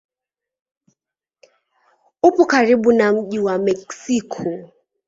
Upo karibu na mji wa Meksiko.